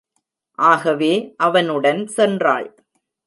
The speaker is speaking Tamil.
ஆகவே அவனுடன் சென்றாள்.